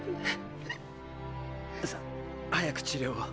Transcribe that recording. さ早く治療を。